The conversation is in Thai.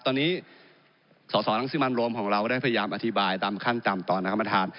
ตอนนี้สสรังสิมันโรมของเราได้พยายามอธิบายตามขั้นตอนนะครับประธาน